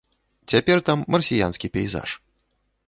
Цяпер там марсіянскі пейзаж.